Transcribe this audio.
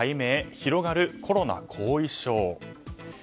広がるコロナ後遺症。